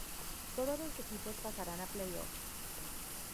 Todos los equipos pasaran a play offs.